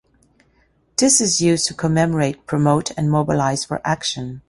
This is used to commemorate, promote and mobilize for action.